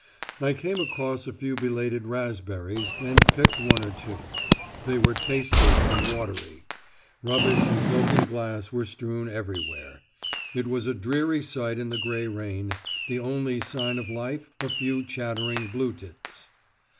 I came across a few belated raspberries, and picked one or two; they were tasteless and watery. Rubbish and broken glass were strewn everywhere. It was a dreary sight in the grey rain; the only sign of life a few chattering blue tits.